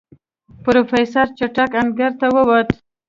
پروفيسر چټک انګړ ته ووت.